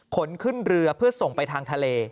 ขนขึ้นเรือเพื่อส่งไปทางทะเล